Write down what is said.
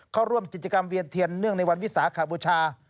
เข้าร่วมกิจกรรมเวียนเทียนเนื่องในวันวิสาขบูชา